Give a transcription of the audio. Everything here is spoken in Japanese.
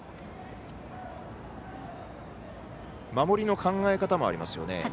守りの考え方もありますよね。